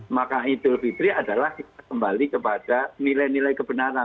maka idul fitri adalah kita kembali kepada nilai nilai kebenaran